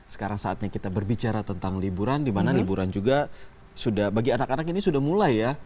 sekarang saatnya kita berbicara tentang liburan dimana liburan juga sudah bagi anak anak ini sudah mulai ya